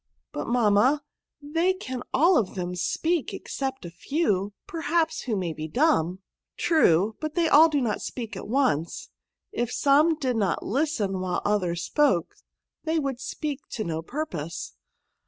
'* But, mamma, they can all of them speak, except some few, perhaps, who may be dumb." " True ; but they do not all speak at once: if some did not listen while others spoke, they would speak to no purpose.